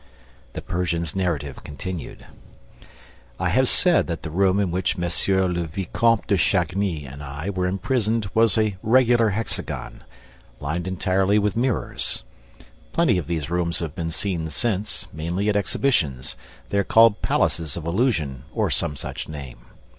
THE PERSIAN'S NARRATIVE CONTINUED I have said that the room in which M. le Vicomte de Chagny and I were imprisoned was a regular hexagon, lined entirely with mirrors. Plenty of these rooms have been seen since, mainly at exhibitions: they are called "palaces of illusion," or some such name.